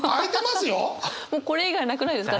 もうこれ以外なくないですか？